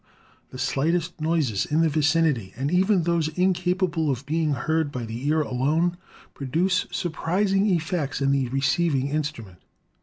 The slightest noises in its vicinity, and even those incapa ble of being heard by the ear alone, produce surprising effects in the receiving instrument.